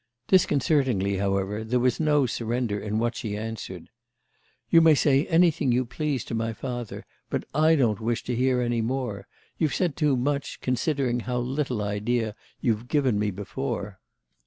Disconcertingly, however, there was no surrender in what she answered. "You may say anything you please to my father, but I don't wish to hear any more. You've said too much, considering how little idea you've given me before."